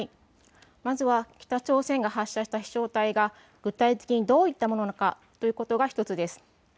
まずは北朝鮮が発射した飛しょう体が具体的にどういったものなのかということが１つです。